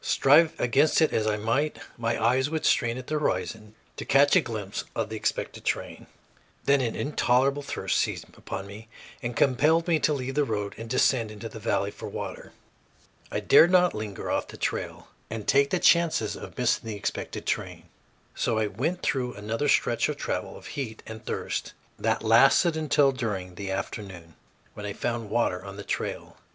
Strive against it as I might, my eyes would strain at the horizon to catch a glimpse of the expected train. Then an intolerable thirst seized upon me and compelled me to leave the road and descend into the valley for water. I dared not linger off the trail and take chances of missing the expected train. So I went through another stretch of travel, of heat, and of thirst, that lasted until during the afternoon, when I found water on the trail.